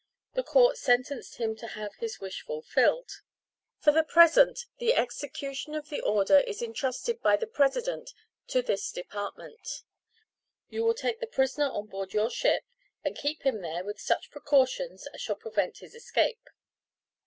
The Court sentenced him to have his wish fulfilled. For the present, the execution of the order is intrusted by the President to this Department. You will take the prisoner on board your ship, and keep him there with such precautions as shall prevent his escape.